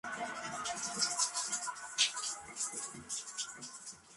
Corresponde al espacio que se interpone entre las superficies articulares de los huesos.